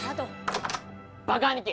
バカ兄貴！